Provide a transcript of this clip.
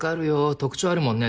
特徴あるもんね